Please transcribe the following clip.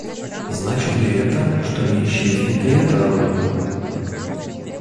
Значит ли это, что не исчезнет и это оружие?